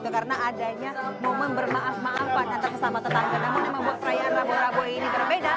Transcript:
karena adanya membuat perayaan rabo rabo ini berbeda